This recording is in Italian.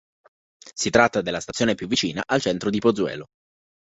Si tratta della stazione più vicina al centro di Pozuelo.